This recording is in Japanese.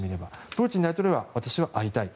プーチン大統領は私は会いたい。